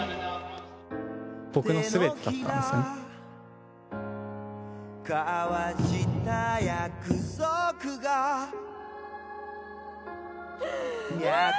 僕の全てだったんですね。